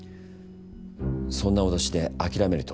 そんな脅しで諦めると？